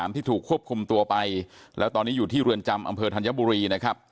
ที่ถูกควบคุมตัวไปแล้วตอนนี้อยู่ที่เรือนจำอำเภอธัญบุรีนะครับ